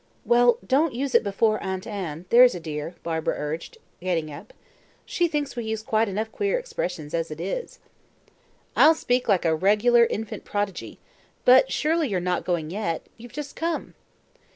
'" "Well, don't use it before Aunt Anne, there's a dear," Barbara urged, getting up. "She thinks we use quite enough queer expressions as it is." "I'll speak like a regular infant prodigy. But surely you're not going yet? You've just come!"